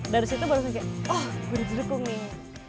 dari situ baru kayak oh gue dijedukung nih